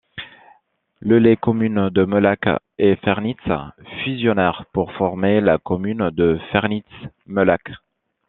Le les communes de Mellach et Fernitz fusionnèrent pour former la commune de Fernitz-Mellach.